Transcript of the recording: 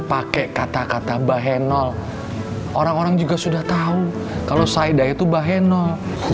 pakai kata kata bahenol orang orang juga sudah tahu kalau saidah itu bahenol